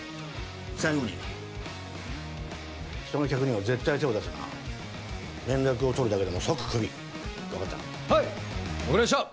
最後に人の客には絶対手を出すな連絡を取るだけでも即クビ分かったなはい分かりました！